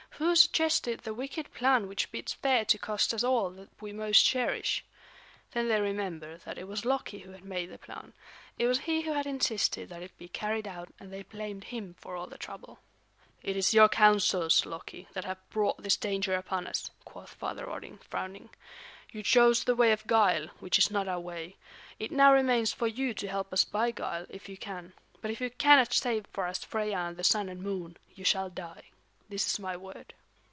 "Who suggested the wicked plan which bids fair to cost us all that we most cherish?" Then they remembered that it was Loki who had made the plan; it was he who had insisted that it be carried out and they blamed him for all the trouble. "It is your counsels, Loki, that have brought this danger upon us," quoth Father Odin, frowning. "You chose the way of guile, which is not our way. It now remains for you to help us by guile, if you can. But if you cannot save for us Freia and the Sun and Moon, you shall die. This is my word."